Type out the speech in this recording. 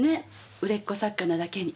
売れっ子作家なだけに。